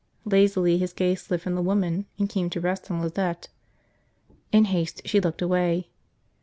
Lazily his gaze slid from the woman and came to rest on Lizette. In haste she looked away.